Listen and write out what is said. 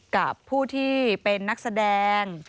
กับผู้ที่เป็นนักแสดง